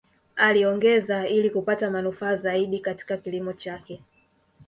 Aliongeza ili kupata manufaa zaidi Katika kilimo chake